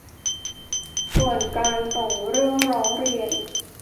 ส่วนการส่งเรื่องร้องเรียน